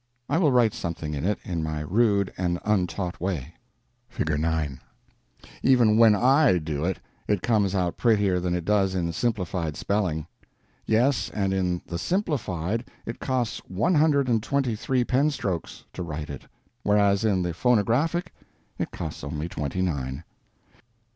I will write something in it, in my rude and untaught way: (Figure 9) Even when I do it it comes out prettier than it does in Simplified Spelling. Yes, and in the Simplified it costs one hundred and twenty three pen strokes to write it, whereas in the phonographic it costs only twenty nine.